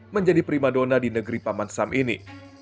menjadi prima dona di negeri paman sam ini